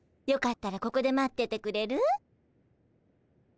よかったらここで待っててくれる？